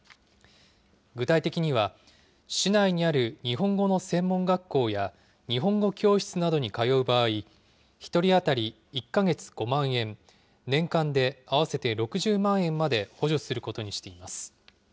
具体的には、市内にある日本語の専門学校や、日本語教室などに通う場合、１人当たり１か月５万円、年間で合わせて６０万円まで補助することにしています。